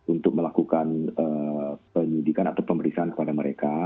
untuk melakukan penyidikan atau pemeriksaan kepada mereka